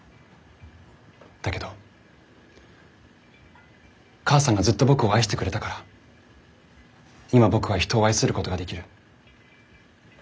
だけど母さんがずっと僕を愛してくれたから今僕は人を愛することができる。